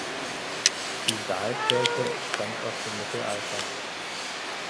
Die Saalkirche stammt aus dem Mittelalter.